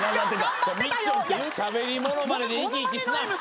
しゃべりものまねで生き生きすな！